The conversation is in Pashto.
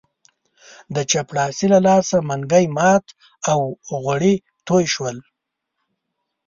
د چپړاسي له لاسه منګی مات او غوړي توی شول.